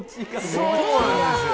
そうなんですよ。